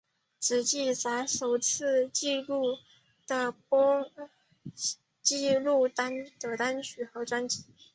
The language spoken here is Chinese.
只记载首次收录的单曲和专辑。